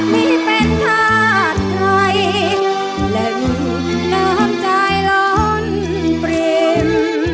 ไม่เป็นท่าใครและรู้น้ำใจร้อนเปลี่ยน